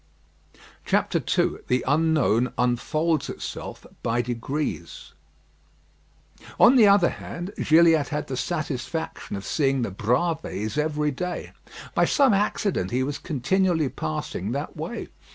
II THE UNKNOWN UNFOLDS ITSELF BY DEGREES On the other hand, Gilliatt had the satisfaction of seeing the Bravées every day. By some accident he was continually passing that way.